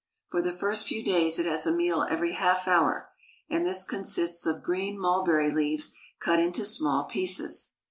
For the first few days it has a meal every half hour, and this consists of green mulberry leaves cut into small pieces.